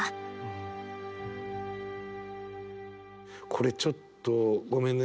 これちょっとごめんね